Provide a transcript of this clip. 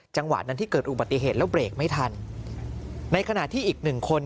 จังหวะนั้นที่เกิดอุบัติเหตุแล้วเบรกไม่ทันในขณะที่อีกหนึ่งคน